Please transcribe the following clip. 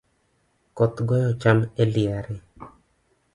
Koth goyo cham eliare